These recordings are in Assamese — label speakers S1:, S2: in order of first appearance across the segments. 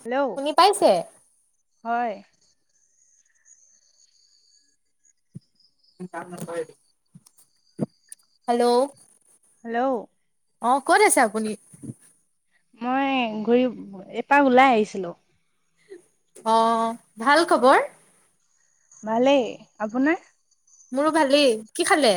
S1: হেল্ল'
S2: শুনি পাইছে?
S1: হয়
S2: হেল্ল'
S1: হেল্ল'
S2: অ ক'ত আছে আপুনি
S1: মই ঘূৰি এপাক ওলাই আহিছিলো
S2: অ ভাল খবৰ
S1: ভালেই আপোনাৰ
S2: মোৰো ভালেই কি খালে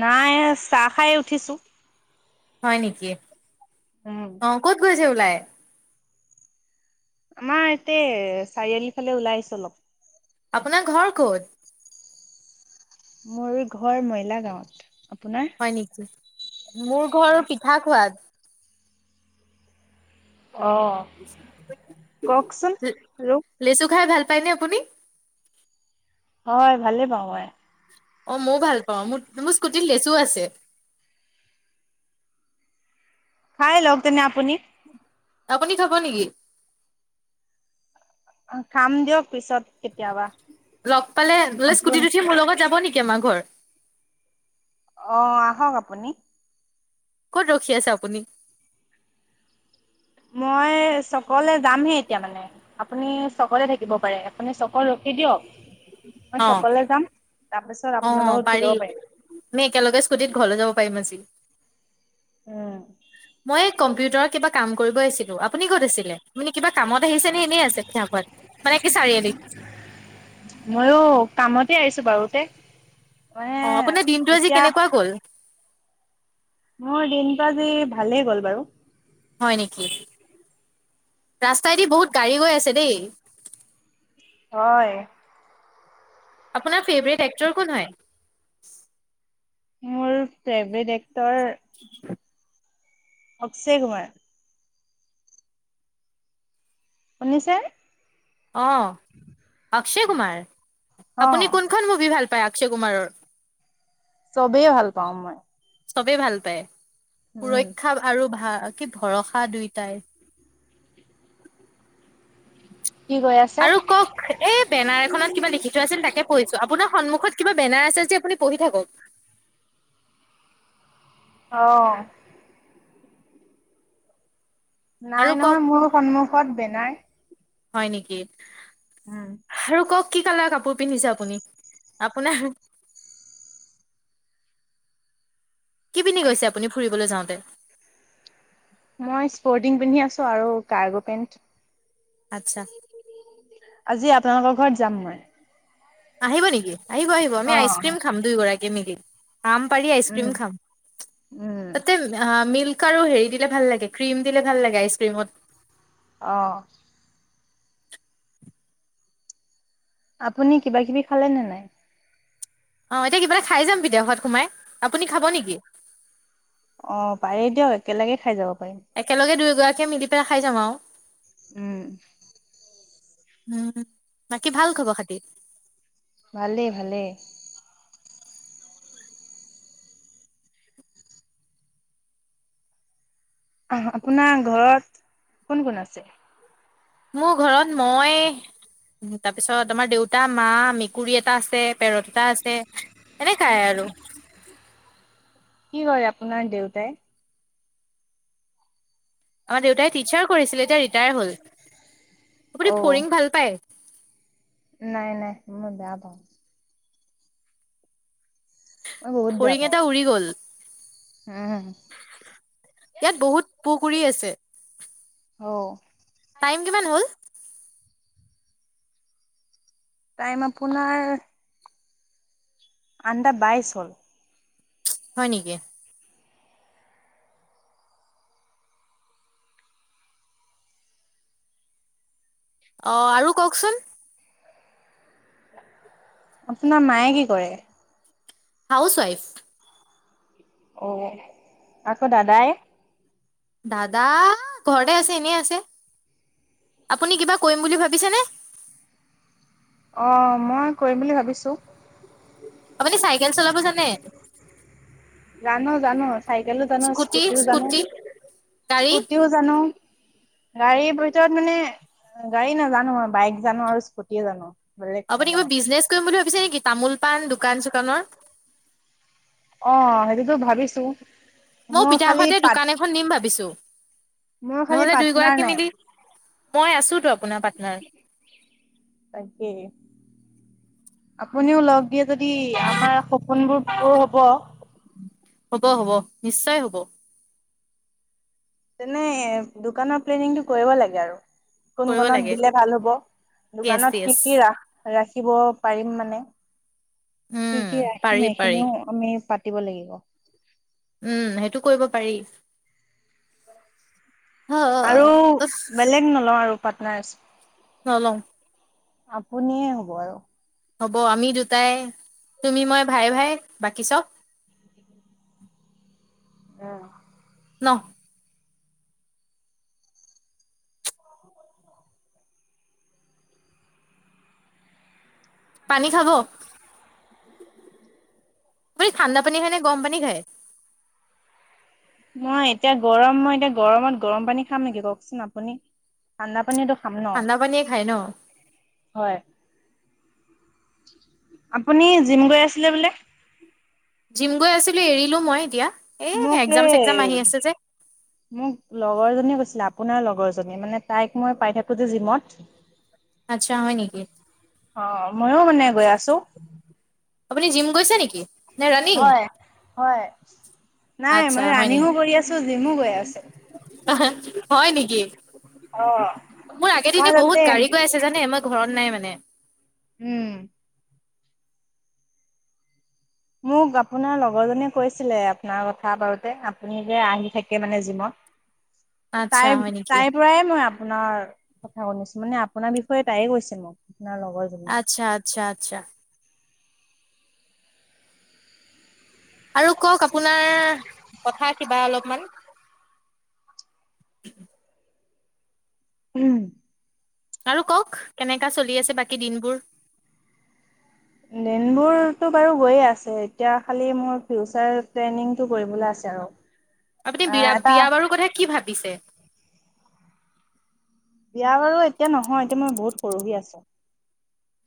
S1: নাই চাহ খাই উঠিছো
S2: হয় নেকি
S1: উম,
S2: অ ক'ত গৈ আছে জওলাই।
S1: আমাৰ ইতে চাৰিআলি ফালে ওলাই আহিছেো অলপ।
S2: আপোনাৰ ঘৰ ক'ত।
S1: মোৰ ঘৰ মইলা গাঁৱত। আপোনাৰ?
S2: হয় নেকি, মোৰ ঘৰ পিঠা খোৱাত।
S1: অ', কওকচোন আৰু
S2: লেচু খাই ভাল। খাইনে, আপুনি।
S1: হয় ভালেই পাওঁ মই।
S2: অ মইও ভাল পাওঁ। মোৰ স্কুটিত লেচু আছে।
S1: খাই লক তেনে আপোনি
S2: আপুনি খাব নেকি।
S1: অ', খাম দিয়ক পিছত। কেতিয়াবা।
S2: লগ পালে বোলে স্কুটি
S1: আপুনি
S2: উঠি মোৰ লগত যাব নেকি। কেমাৰ ঘৰ?
S1: অঁ, আহক আপুনি।
S2: ক'ত ৰখি আছে আপুনি।
S1: মই চ। কলে যামহে এতিয়া মানে আপুনি। চ'কলে থাকিব পাৰে আপুনি, চ'কত ৰখি দিয়ক। মই চকলে যাম তাৰ পাছত।
S2: অঁ, পাৰি আমি একেলগে স্কুটিত ঘৰলৈ যাব পাৰিম আজি।
S1: উম।
S2: মই কম্পিউট। গোটৰ কিবা কাম কৰিব আহিছিলো। আপুনি ক'ত আছিলে মানে কিবা কামত আহিছে নে এনেই আছে পিঠা পোৱাত।
S1: মইও। কামতে আহিছো বাৰু তে।
S2: অ আপোনাৰ দিনটো আজি কেনেকুৱা গ'ল?
S1: মোৰ দিনটো আজি ভালেই গ'ল বাৰু।
S2: হয় নেকি, ৰাস্তাইদি বহুত গাড়ী গৈ আছে দেই।
S1: হয়।
S2: আপোনাৰ ফেভৰেট এক্টৰ কোন হয়?
S1: মোৰ favourite actor Akshay Kumar. খুনিছে।
S2: অঁ, অক্ষয় কুমাৰ
S1: অ
S2: আপুনি কোনখন মুভি ভাল হয়, অক্ষয় কুমাৰৰ।
S1: চবেই ভাল পাওঁ মই।
S2: চবেই ভাল পায়।
S1: উম।
S2: সুৰক্ষা আৰু ভাগ। কি ভৰসা দুইটাই।
S1: কি কৈ আছে
S2: আৰু কওঁক এই বেনাৰ এখনত কিবা লিখি থোৱা আছিল তাকে পঢ়িছো আপোনাৰ সন্মুখত কিবা বেনাৰ আছে যে, আপুনি পঢ়ি থাকক।
S1: অহ', -
S2: আৰু
S1: নাই
S2: কওক
S1: নহয় মোৰ সন্মুখ। ক'ত বেনাৰ?
S2: হয় নেকি?
S1: উম।
S2: আৰু কওঁক। কি কালাৰ কাপোৰ পিন্ধিছে আপুনি? আপোনাৰ। কি পিন্ধি গৈছে আপুনি ফুৰিবলৈ যাওঁত। টে।
S1: মই স্পৰ্টিং পিন্ধি আছোঁ আৰু কাৰ্গো পেন্ট।
S2: আচ্ছা, -
S1: আজি আপোনালোকৰ ঘৰত যাম মই।
S2: আহিব নেকি? আহিব, '-আহিব, আমি
S1: অ',
S2: আইচক্ৰীম খাম দুইগৰাকী দিম নেকি? আম পাৰি
S1: উম
S2: আইচক্ৰীম খাম।
S1: উম।
S2: তাতে উম আমি। পিক আৰু হেৰি দিলে ভাল লাগে, ক্ৰীম দিলে ভাল লাগে আইচক্ৰীমত।
S1: অঁহ। আপুনি কিবা কিবি খালে নে নাই?
S2: অ এতিয়া কি মানে খাই যাম ঘৰত সোমাই? আপুনি খাব নেকি?
S1: অ পাৰেই দিয়ক, একেলগে খাই যাব। পাৰিম।
S2: একেলগে দুয়ো। গৰাকীয়ে মিলি পেলাই খাই যাম আৰু।
S1: উম।
S2: হম। বাকী ভাল খবৰ খাতি।
S1: ভালে', -ভালে। আহ আপোনাৰ ঘৰত কোন কোন আছে?
S2: মোৰ ঘৰত মই তাৰপিছত আমাৰ দেউতা, মা, মেকুৰী এটা আছে, পেৰত এটা আছে এনেকাই আৰু।
S1: কি কৰে আপোনাৰ দেউতাই?
S2: আমাৰ দেউতাই টিচাৰ কৰিছিলে এতিয়া ৰিটায়াৰ হল। আপুনি
S1: অ',
S2: ফৰিং ভাল পায়।
S1: নাই, নাই মই বেয়া পাওঁ। মই বহুত বেয়া
S2: ফৰিং
S1: পাওঁ।
S2: এটা উৰি গ'ল।
S1: উম,
S2: ইয়াত বহুত পুখুৰী আছে।
S1: আহ
S2: টাইম কিমান হল
S1: টাইম আপোনাৰ আনন্দা বাইচ হল
S2: হয় নিকি অ আৰু কওকচোন
S1: আপোনাৰ মায়ে কি কৰে
S2: হাউচৱাইফ
S1: অ আকৌ দাদাই
S2: দাদা ঘৰতে আছে এনেই আছে আপুনি কিবা কৰিম বুলি ভাবিছে নে
S1: অ মই কৰিম বুলি ভাবিছোঁ
S2: আপুনি চাইকেল চলাব জানে
S1: জানো জানো চাইকেলো জানো
S2: স্কুটি,
S1: স্কুটিও জানো
S2: স্কুটি, গাড়ী?
S1: স্কুটিও জানো গাড়ীৰ ভিতৰত মানে গাড়ী নাজানো মই বাইক জানো আৰু স্কুটিও জানো বেলেগ
S2: আপুনি কিবা
S1: নাজানো
S2: বিজনেছ কৰিম বুলিাব প তামোল পাণ দোকান চোকানৰ
S1: অ সেইটোতো ভাবিছো
S2: ময়
S1: মোৰ খালি
S2: পিঠাহতে
S1: পাত
S2: দোকান এখন দিম ভাবিছো
S1: মোৰ খালি
S2: নহ'লে দুই
S1: পাৰ্টনাৰ
S2: গৰাকী
S1: নাই
S2: মিলি মই আছো আপোনাৰ পাটনাৰ
S1: তাকে আপুনিও লগ দিয়ে যদি আমাৰ সপোন বোৰ পুৰ হব
S2: হ'ব হ'ব নিশ্চয় হব
S1: তেনে দোকানৰ প্লেনিং টো কৰিব লাগে আৰু কোন
S2: কৰিব
S1: কনত
S2: লাগে।
S1: দিলে ভাল হ'ব
S2: য়েছ
S1: দোকানত কি
S2: য়েছ
S1: কি ৰা ৰাখি শিকিব পাৰিম মানে কি
S2: উম
S1: কি
S2: পাৰি
S1: ৰাখিম
S2: পাৰি
S1: এইখিনিও আমি পাত পাতিব লাগিব
S2: উম সেইটো কৰিব পাৰি হ
S1: আৰু বেলেগ নলওঁ আৰু পাটনাৰচ্
S2: চল
S1: আপুনিয়ে হ'ব আৰু
S2: হ'ব আমি দুটাই তুমি মই ভাই ভাই বাকী চব
S1: অহ
S2: ন পানী খাব আপুনি ঠাণ্ডা পানী খায় নে গৰম পানী খায়
S1: মই এতিয়া গৰম মই এতিয়া গৰমত গৰম পানী খাম নেকি কওকচোন আপুনি ঠাণ্ডা পানীয়েটো
S2: ঠাণ্ডা পানীয়ে খায় ন।
S1: হয় আপুনি জিম গৈ আছিলে বোলে?
S2: জিম গৈ আছিলো এৰিলো মই এতিয়া। এ
S1: মোক
S2: এক্জাম চেকজাম আহি আছে যে
S1: এই মোক লগৰজনীয়ে কৈছিলে আপোনাৰ লগৰ জনী মানে তাইক মই পাই থাকো যে জিমত।
S2: আচ্ছা হয় নেকি,
S1: অ ময়ো মানে গৈ আছো
S2: আপুনি জিম গৈছে নেকি? নে ৰানিং।
S1: হয় হয়। নাই
S2: আচ্ছা
S1: মই
S2: হয়
S1: ৰানিঙো কৰি আছো জিমো গৈ আছো।
S2: অ হয় নেকি? কি
S1: অ
S2: মোৰ
S1: মই
S2: আগেদিযে বহুত
S1: তাতে
S2: গাড়ী গৈ আছে জানে মই ঘৰত নাই মানে?
S1: উম। মোক আপোনাৰ লগৰ জনীয়ে কৈছিলে আপোনাৰ কথা বাৰোতে আপুনি যে আহি থাকে মানে জিমত।
S2: আচ্ছা হয় নেকি
S1: তাই-তাইৰ পৰাই মই আপোনাৰ কথা শুনিছো মানে আপোনাৰ বিষয়ে তাইয়েই কৈছে মোক। আপোনাৰ লগৰজনীয়ে।
S2: আচ্ছা আচ্ছা আচ্ছা। আৰু কওক আপোনাৰ কথা কিবা অলপমান।
S1: উম
S2: আৰু কওক কেনেকা চলি আছে বাকী দিনবোৰ?
S1: দিনবোৰতো বাৰু গৈয়ে আছে এতিয়া খালি মোৰ ফিউচাৰ প্লেনিংটো কৰিবলৈ আছে আৰু।
S2: আপুনি
S1: আহ এটা
S2: বিৰা-বিয়া বাৰুৰ কথা কি ভাবিছে?
S1: বিয়া বাৰু এতিয়া নহয় এতিয়া মই বহুত সৰু হৈ আছো।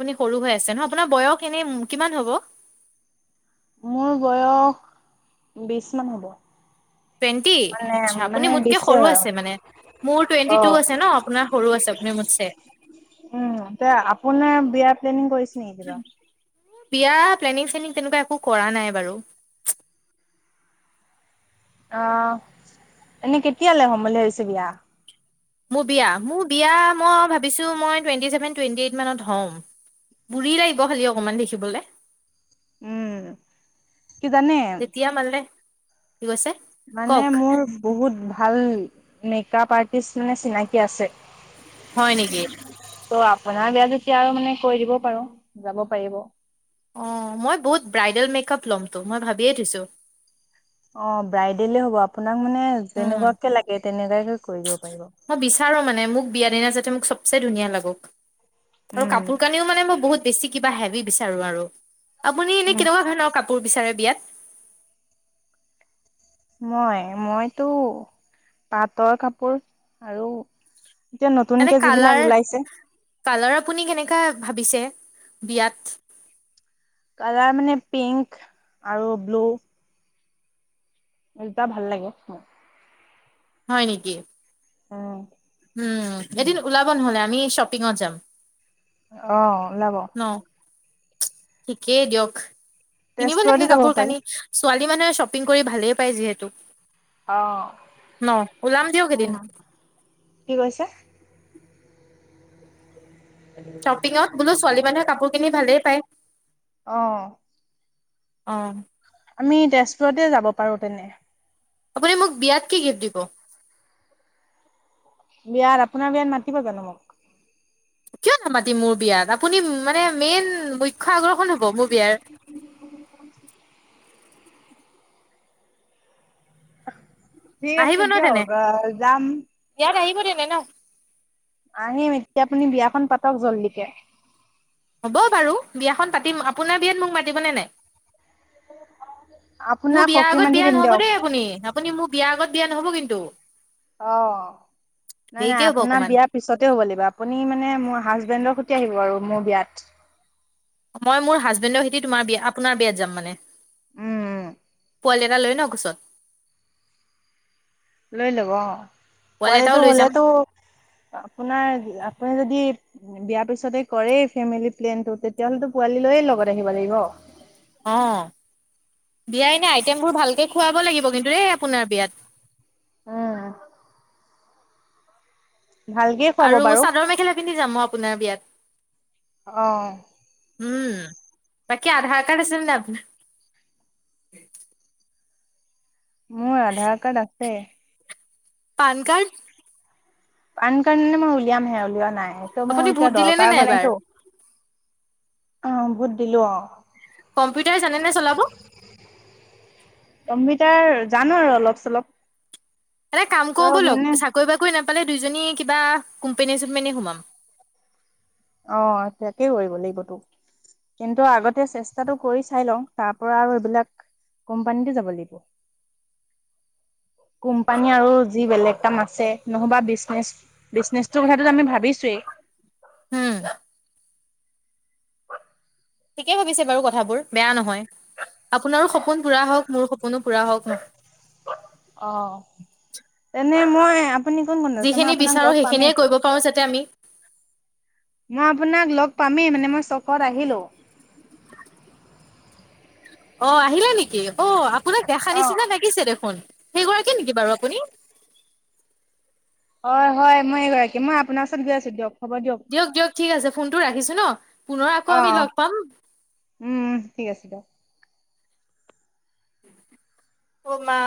S2: আপুনি সৰু হৈ আছে ন আপোনাৰ বয়স এনে কিমান হ'ব?
S1: মোৰ বয়স বিশ মান হ'ব।
S2: টুৱেণ্টি
S1: মানে
S2: আচ্ছা আপুনি
S1: মানে
S2: মোতকে
S1: বিছে
S2: সৰু
S1: হয়
S2: আছে মানে মোৰ
S1: অ
S2: টুৱেণ্টি টু আছে ন আপোনাৰ সৰু আছে মানে মুটচে।
S1: বিয়া প্লেনিং কৰিছা? [unintelligible] কিবা
S2: বিয়া প্লেনিং শ্লেনিং তেনেকুৱা একো কৰা নাই বাৰু।
S1: অহ এনে কেতিয়ালে হ'ম বুলি ভাবিছে বিয়া?
S2: মোৰ বিয়া মোৰ বিয়া মই ভাবিছো মই টুৱেন্টিচেভেন টুৱেন্টিএইত মানত হম বুঢ়ী লাগিব খালি অকমান দেখিবলে।
S1: উম কি জানে?
S2: তেতিয়া মানে কি কৈছে
S1: মানে
S2: কওক
S1: মোৰ বহুত ভাল। মেকআপ আৰ্টিষ্ট নে চিনাকি আছে।
S2: হয় নেকি?
S1: গা বেয়া যেতিয়া আৰু মানে কৈ দিব পাৰো
S2: অ মই বহুত ব্ৰাইডেল মেকআপ ল'মতো মই ভাবিয়ে থৈছো
S1: অ ব্ৰাইডেলে হ'ব আপো তাৰ মানে
S2: উম,
S1: যেনেকুৱাকে লাগে তেনেকুৱাকে কৰিব
S2: মই বিচাৰো মানে মোক বিয়া দিনা যাতে মোক চবচে ধুনীয়া লাগক। আৰু কাপোৰ
S1: উম,
S2: কানিও মানে মই বহুত- বেছি কিবা হেভি বিচাৰোঁ আৰু আপুনি এনে কেনেকোৱা ধৰনৰ কাপো- কাপোৰ বিচাৰে বিয়াত
S1: মই মইতো পাটৰ কাপোৰ আৰু এতিয়া
S2: এনে
S1: নতুনকে
S2: কালাৰ
S1: যিবিলাক ওলাইছে
S2: কালাৰ আপুনি কেনেকুৱা ভাবিছে? বিয়াত
S1: কালাৰ মানে পিংক আৰু ব্লু কুৰ্তা ভাল লাগে
S2: হয় নেকি।
S1: অ'
S2: উম এদিন ওলাব নহলে আমি শ্বপিংত যাম,
S1: অ ওলাব
S2: ন? ঠিকেই দিয়ক কিনিব
S1: তেজপুৰতে
S2: লাগে
S1: যাব
S2: কাপোৰ
S1: পাৰি।
S2: কানি ছোৱালী- কী মানুহে শ্বপিং কৰি ভালেই পায় যিহেতু-
S1: অহ
S2: ন ওলাম দিয়ক এদিন
S1: উম কি কৈছে
S2: শ্বপিঙত বোলো ছোৱালী মানুহে কাপোৰ কিনি ভালেই পায়।
S1: অহ
S2: অ
S1: আমি তেজপুৰতে যাব পাৰোঁ তেনে
S2: আপুনি মোক বিয়াত কি গিফ্ট দিব?
S1: বিয়াত আপোনাৰ বিয়াত মাতিব জানো মোক,
S2: কিয় নামাতিম মোৰ বিয়াত আপুনি মানে মেইন মুখ্য আকৰ্ষণ হব মোৰ বিয়াৰ
S1: উ [inaudible] ঠিক
S2: আহিব
S1: আছে
S2: ন
S1: দিয়ক অঁ যাম।
S2: নে ন
S1: আহিম এতিয়া আপুনি বিয়া খন- বিয়াখন পাতক জলদি কে।
S2: হ'ব বাৰু বিয়াখন পাতিম আপোনাৰ বিয়াত মোক মাতিবনে নাই? মোৰ
S1: আপোনাক
S2: বিয়াৰ
S1: সখী
S2: আগত
S1: মাতি
S2: বিয়া
S1: দিম
S2: নহ'ব
S1: দিয়ক
S2: দেই আপুনি, আপুনি মোক বিয়াৰ আগত দিয়া নহ'ব, কিন্তু।
S1: অ', নাই -নাই
S2: দেৰিকে হ'ব
S1: আপোনাৰ
S2: অকমান।
S1: বিয়া পিছতে হ'ব লাগিব। আপুনি মানে মোৰ হাজবেণ্ডৰ সৈতে আহিব আৰু মোৰ বিয়াত।
S2: মই, মোৰ হাজবেণ্ডৰ সৈতি তোমাৰ বিয়া, আপোনাৰ বিয়াত যাম মানে।
S1: উম', -উ', -
S2: পোৱালি এটা লয় ন', কোচত।
S1: লৈ, ল'ব অ',
S2: পোৱালি এটাও
S1: পোৱালিটো
S2: লৈ যাম।
S1: হ'লেতো আপোনাৰ- -আপুনি যদি বিয়াৰ পিছতে কৰে ফেমিলি -প্লেনটো, তেতিয়া হ'লেতো পোৱালি লৈয়ে লগত আহিব লাগিব।
S2: অহ', বিয়াই এনে আইটেমবোৰ ভালকে খুৱাব লাগিব, কিন্তু এই আপোনাৰ বিয়াত।
S1: উম, ভালকে খুৱাব
S2: আৰু
S1: বাৰু।
S2: চাদৰ মেখেলা পিন্ধি যাম মপ। আপোনাৰ বিয়াত।
S1: অ'
S2: উম বাকী আধাৰ কাৰ্ড আছিল নে আপোনাৰ।
S1: মোৰ আধাৰ কাৰ্ড আছে।
S2: PAN card.
S1: পান কাৰ্ড নে মই উলিয়ামহে উলিও ৱা। নাই, এইটো মোৰ
S2: আপুনি
S1: এতিয়া
S2: ভোট দিলে নে
S1: দৰকাৰ
S2: নাই
S1: হোৱা
S2: এইবাৰ?
S1: নাইতো। অ বুত দিলো অ',
S2: কম্পিউটাৰ জানে নে চলাব?
S1: কম্পিউটাৰ ৰ জানো আৰু অলপ চলপ।
S2: এটা কাম কৰো
S1: ত'
S2: ব'লক
S1: মানে
S2: চাকৰি-বাকৰি নে পালে দুইজনী কিবা কোম্পানী-চোম্পনী সোমাম।
S1: অ তাকে কৰিব লাগিব লাগিবতো। কিন্তু আগতে চেষ্টাটো কৰি চাই লওঁ। তাৰ পৰা আৰু এইবিলাক কোম্পানীত জাব লাগিব। কোম্পানী আৰু যি বেলেগ কাম আছে নহ'বা বিচনেচ, বিচনেচটোৰ কথাটো আমি ভাবিছোৱেই।
S2: [inaudible] থিকেই ভাবিছে বাৰু কথাবোৰ বেয়া নহয়। আপোনাৰো সপোন পুৰা হওক মোৰ সপোনো পুৰা হওক ন।
S1: নে মই আপুনি কোন কোন আছে মই
S2: যিখিনি
S1: আপোনাক লগ
S2: বিচাৰো
S1: পামেই
S2: সেইখিনিয়ে
S1: এতিয়া।
S2: কৰিব পাৰো যাতে আমি।
S1: মই আপোনাক লগ পামেই মানে মই চখত আহিলো।
S2: অ আহিলে নেকি অ আপ আপোনাক দেখা
S1: অ'
S2: নিচিনা লাগিছে দেখোন সেইগৰাকী নেকি বাৰু আপুনি।
S1: অ' হয় মই এইগৰাকী মই আপোনাৰ ওচৰত গৈ আছো দিয়ক।
S2: দিয়ক দিয়ক ঠিক আছে। ফোনটো ৰাখিছো ন। পুনৰ আকৌ আমি
S1: অ'
S2: লগ পাম।
S1: উম ঠিক আছে দিয়।
S2: [inaudible] অ' মা।